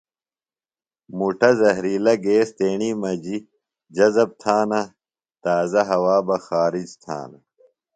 مُٹہ زہرِیلہ گیس تیݨیۡ مجیۡ جذب تھانہ۔ تازہ ہوا بہ خارِج تھانہ